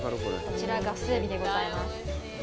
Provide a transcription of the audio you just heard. こちら、ガスエビでございます。